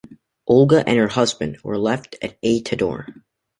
Olga and her husband were left at Ay-Todor.